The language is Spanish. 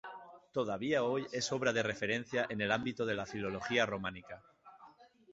Todavía hoy es una obra de referencia en el ámbito de la filología románica.